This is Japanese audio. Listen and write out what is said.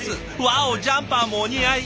わおジャンパーもお似合い。